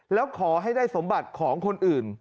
แล้วขอให้ได้สมบัติของคนอื่น